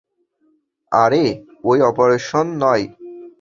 আরে ওই অপারেশন নয়।